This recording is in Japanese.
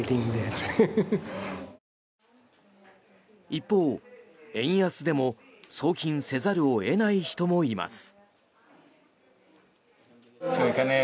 一方、円安でも送金せざるを得ない人もいます。